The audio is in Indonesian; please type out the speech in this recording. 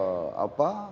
itu kan semakin menambah